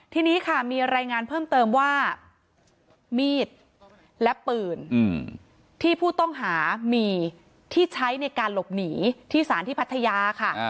ทีนี้ค่ะมีรายงานเพิ่มเติมว่ามีดและปืนที่ผู้ต้องหามีที่ใช้ในการหลบหนีที่สารที่พัทยาค่ะ